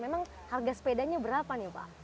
memang harga sepedanya berapa nih pak